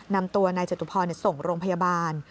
นำตัวนายจตุพรส่งโรงพยาบาล